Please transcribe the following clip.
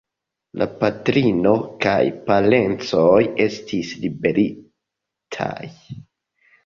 La patrino kaj parencoj estis liberigitaj.